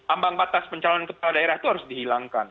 ambang batas pencalonan kepala daerah itu harus dihilangkan